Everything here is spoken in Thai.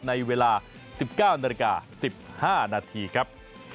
ในเวลา๑๙นาฬิกา๑๕นาทีครับ